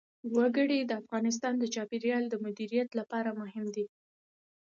وګړي د افغانستان د چاپیریال د مدیریت لپاره مهم دي.